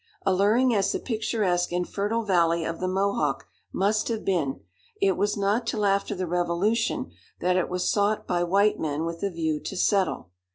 Alluring as the picturesque and fertile valley of the Mohawk must have been, it was not till after the revolution that it was sought by white men with a view to settle.